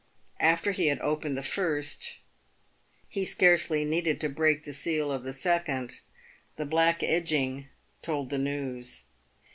After he had opened the first he scarcely needed to break the seal of the second — the black edging told the news.